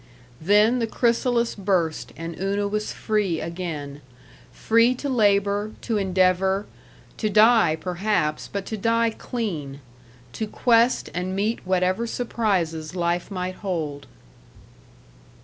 Then the chrysalis burst and Una was free again. Free to labor, to endeavor to die, perhaps, but to die clean. To quest and meet whatever surprises life might hold.